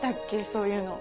そういうの。